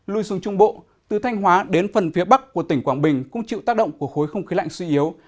lui xuống trung bộ từ thanh hóa đến phần phía bắc của tỉnh quảng bình cũng chịu tác động của khối không khí lạnh suy yếu